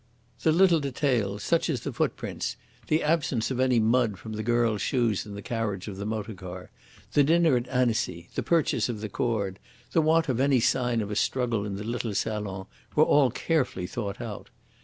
The little details, such as the footprints, the absence of any mud from the girl's shoes in the carriage of the motor car, the dinner at Annecy, the purchase of the cord, the want of any sign of a struggle in the little salon, were all carefully thought out.